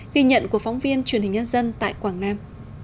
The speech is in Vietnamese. ghi nhận của phóng viên truyền hình nhân dân tại quảng nam